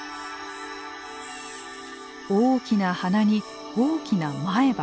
大きな鼻に大きな前歯。